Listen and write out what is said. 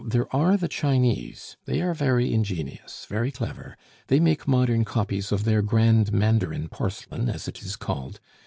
there are the Chinese; they are very ingenious, very clever; they make modern copies of their 'grand mandarin' porcelain, as it is called.